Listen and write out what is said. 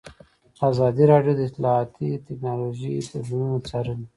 ازادي راډیو د اطلاعاتی تکنالوژي بدلونونه څارلي.